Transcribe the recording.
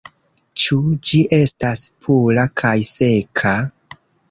Ĉu ĝi estas pura kaj seka?